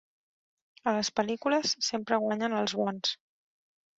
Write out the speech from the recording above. A les pel·lícules sempre guanyen els bons.